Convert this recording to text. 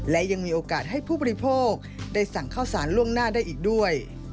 และยังมีโอกาสให้ผู้บริโภคได้สั่งข้าวสารล่วงหน้าได้อีกด้วย